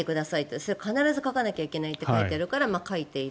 それは必ず書かなきゃいけないって書いてあるから書いている。